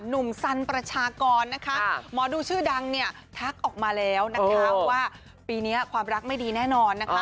หนุ่มสันประชากรหมอดูชื่อดังทักออกมาแล้วว่าปีนี้ความรักไม่ดีแน่นอน